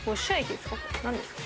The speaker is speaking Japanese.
何ですか？